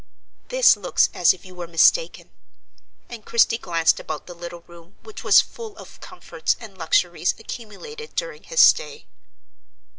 "This looks as if you were mistaken;" and Christie glanced about the little room, which was full of comforts and luxuries accumulated during his stay.